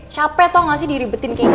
capek tuh gak sih diribetin kayak gini